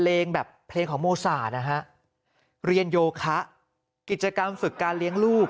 เพลงแบบเพลงของโมสานะฮะเรียนโยคะกิจกรรมฝึกการเลี้ยงลูก